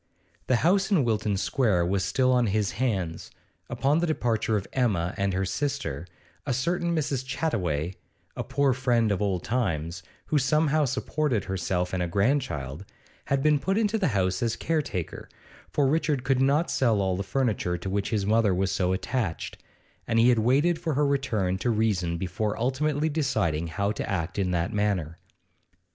The house in Wilton Square was still on his hands; upon the departure of Emma and her sister; a certain Mrs. Chattaway, a poor friend of old times, who somehow supported herself and a grandchild, had been put into the house as caretaker, for Richard could not sell all the furniture to which his mother was so attached, and he had waited for her return to reason before ultimately deciding how to act in that matter.